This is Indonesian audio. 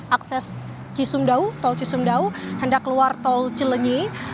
akses cisumdau tol cisumdau hendak keluar tol cilenyi